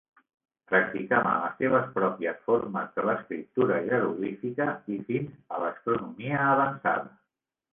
Practicaven les seves pròpies formes de l'escriptura jeroglífica i fins a l'astronomia avançada.